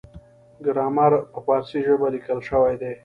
ګرامر په پارسي ژبه لیکل شوی دی.